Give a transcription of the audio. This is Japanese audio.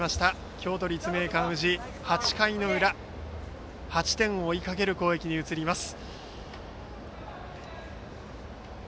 京都・立命館宇治、８回の裏８点を追いかける攻撃に移ります。